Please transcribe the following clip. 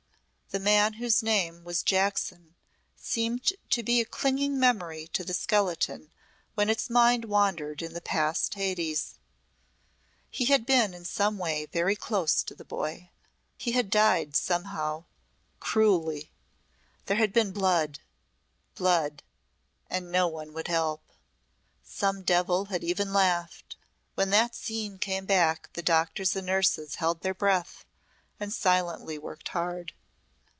The man whose name was Jackson seemed to be a clinging memory to the skeleton when its mind wandered in the past Hades. He had been in some way very close to the boy. He had died somehow cruelly. There had been blood blood and no one would help. Some devil had even laughed. When that scene came back the doctors and nurses held their breath and silently worked hard.